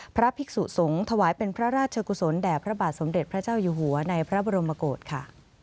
พระภิกษุสงฆ์ถวายเป็นพระราชกุศลแด่พระบาทสมเด็จพระเจ้าอยู่หัวในพระบรมโกศค่ะ